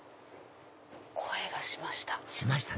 声がしました。